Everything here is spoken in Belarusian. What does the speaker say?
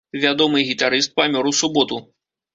Вядомы гітарыст памёр у суботу.